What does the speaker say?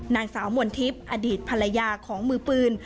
นางสาวมนทิพย์อดีตภรรยาของมือปืน